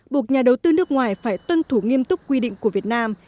buộc nhà đầu tư nước ngoài phải tuân thủ nghiêm túc quy định của việt nam